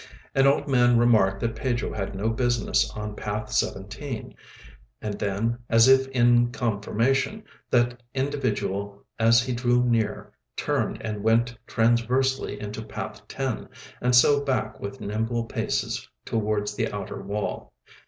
An old man remarked that Pedro had no business on path Seventeen, and then, as if in confirmation, that individual as he drew near turned and went transversely into path Ten, and so back with nimble paces towards the outer wall.